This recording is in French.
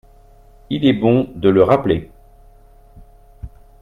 Il est bon de le rappeler